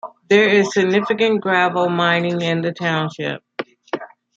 There is significant gravel mining in the township.